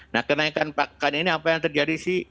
nah kenaikan pakan ini apa yang terjadi sih